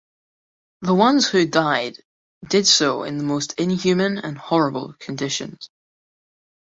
The ones who died did so in the most inhuman and horrible conditions.